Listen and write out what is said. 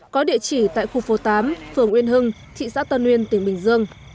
có địa chỉ tại khu phố tám phường uyên hưng thị xã tân uyên tỉnh bình dương